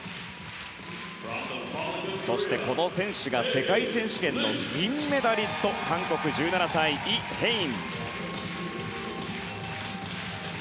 そしてこの選手が世界選手権の銀メダリスト韓国、１７歳のイ・ヘイン。